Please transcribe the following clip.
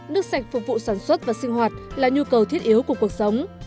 nước sạch phục vụ sản xuất và sinh hoạt là nhu cầu thiết yếu của cuộc sống